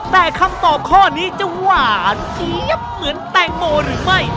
แต่คำตอบข้อนี้จะหวานเสียบเหมือนแตงโมหรือไม่